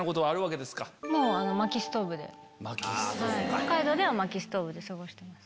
北海道では薪ストーブで過ごしてます。